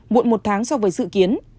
muộn một tháng so với dự kiến